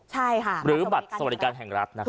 ใช่ค่ะหรือบัตรสวรรค์แห่งรัฐนะครับ